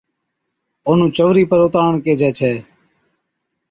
اونھُون چئونرِي پر اُتارڻ ڪيهجَي ڇَي